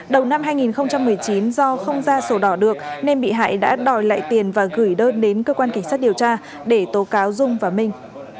đầu năm hai nghìn một mươi chín do không ra sổ đỏ được nên bị hại đã đòi lại tiền và gửi đơn đến cơ quan cảnh sát điều tra để tố cáo dung và minh